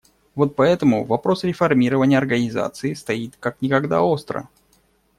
Вот поэтому вопрос реформирования Организации стоит как никогда остро.